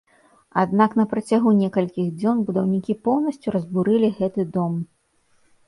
Аднак на працягу некалькіх дзён будаўнікі поўнасцю разбурылі гэты дом.